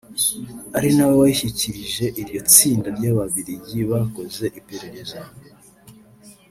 ari na we wayishyikirije iryo tsinda ry’Ababiligi bakoze iperereza